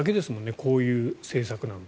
こういう政策なのって。